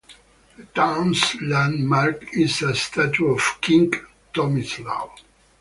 The town's landmark is a statue of King Tomislav.